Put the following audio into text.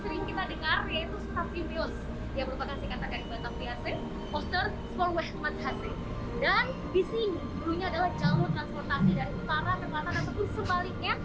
sering kita dengar yaitu stasiun yang berlaku di batavia dan disini jalur transportasi sebaliknya